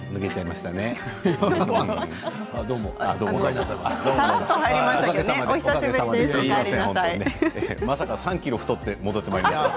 まさか３ｋｇ太って戻ってまいりました。